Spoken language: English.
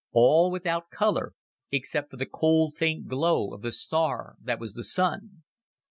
All without color except for the cold, faint glow of the star that was the Sun.